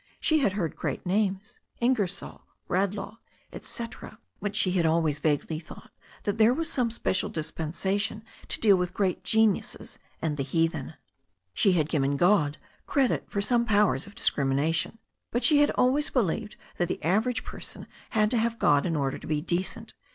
She had heard great names. In gersoU, Bradlaugh, etc. But she had always vaguely thought that there was some special dispensation to deal with great geniuses and the heathen. She had given God 138 THE STORY OF A NEW ZEALAND RIVER credit for some powers of discrimination. But she had al ways believed that the average person had to have God in order to be decent.